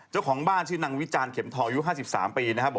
เจ้าของบ้านชื่อนางวิจารณเข็มทองอายุ๕๓ปีนะครับ